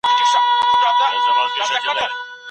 دوی د کلتوري ارزښتونو د بډاينې لپاره کار کاوه.